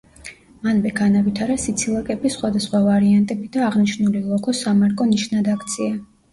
მანვე განავითარა სიცილაკების სხვადასხვა ვარიანტები და აღნიშნული ლოგო სამარკო ნიშნად აქცია.